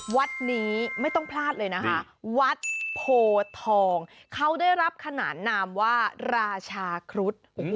วัดนี้ไม่ต้องพลาดเลยนะคะวัดโพทองเขาได้รับขนานนามว่าราชาครุฑ